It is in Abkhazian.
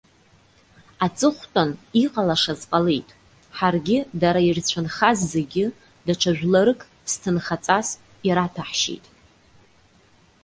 Аҵыхәтәан, иҟалашаз ҟалеит. Ҳаргьы дара ирцәынхаз зегьы, даҽа жәларык ԥсҭынхаҵас ираҭәаҳшьеит.